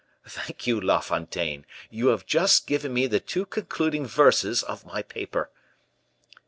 thank you, La Fontaine; you have just given me the two concluding verses of my paper."